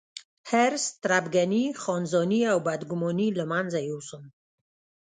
حرص، تربګني، ځانځاني او بدګوماني له منځه يوسم.